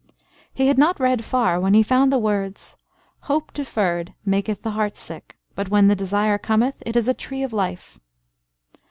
He had not read far, when he found the words, "Hope deferred maketh the heart sick; but when the desire cometh, it is a tree of life."